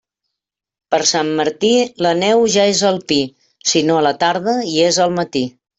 Per Sant Martí, la neu ja és al pi, si no a la tarda, hi és al matí.